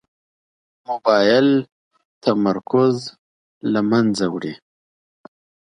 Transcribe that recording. موبایل د تمرکز له منځه وړي.